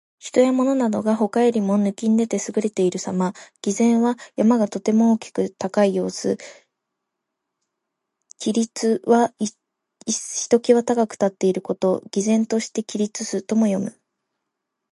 人や物などが、他よりも抜きん出て優れているさま。「巍然」は山がとても大きく高い様子。「屹立」は一際高く立っていること。「巍然として屹立す」とも読む。